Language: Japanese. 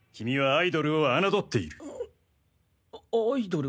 アイドルを侮っている？